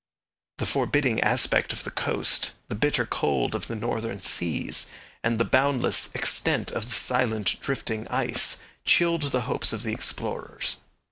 The forbidding aspect of the coast, the bitter cold of the northern seas, and the boundless extent of the silent drifting ice, chilled the hopes of the explorers.